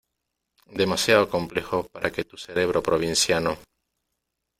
demasiado complejo para que tu cerebro provinciano